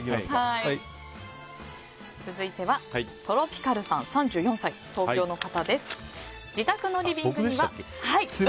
続いては、３４歳、東京の方。